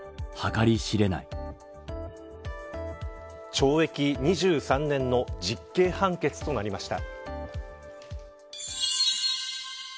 懲役２３年の実刑判決となりました。